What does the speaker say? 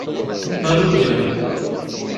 Aru kan!